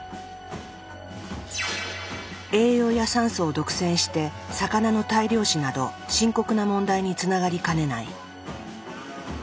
栄養や酸素を独占して魚の大量死など深刻な問題につながりかねない。